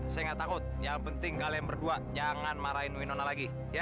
saya gak takut yang penting kalian berdua jangan marahin winona lagi ya